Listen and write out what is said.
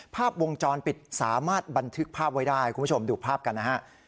ภาพวงจรปิดสามารถบันทึกภาพไว้ได้คุณผู้ชมดูภาพกันนะฮะ